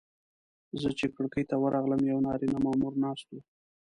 زه چې کړکۍ ته ورغلم یو نارینه مامور ناست و.